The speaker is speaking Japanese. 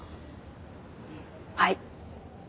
はい。